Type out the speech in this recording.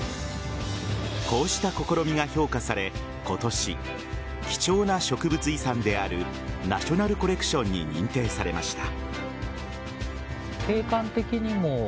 こうした試みが評価され、今年貴重な植物遺産であるナショナルコレクションに認定されました。